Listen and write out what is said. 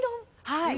はい。